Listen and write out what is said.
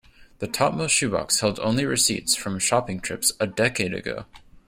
The topmost shoe box held only receipts from shopping trips a decade ago.